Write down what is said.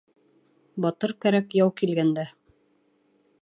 Батыр кәрәк яу килгәндә